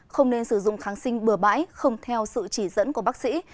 không nên sử dụng kháng sinh bừa bãi không theo sự chỉ dẫn của bác sĩ